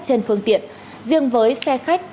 trên phương tiện riêng với xe khách